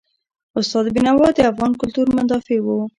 استاد بینوا د افغان کلتور مدافع و.